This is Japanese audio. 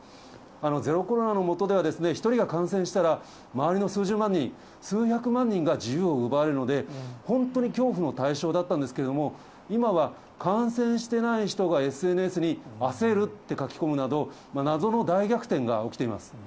ゼロコロナの下では、１人が感染したら、周りの数十万人、数百万人が自由を奪われるので、本当に恐怖の対象だったんですけれども、今は感染してない人がＳＮＳに焦るって書き込むなど、謎の大逆転が起きています。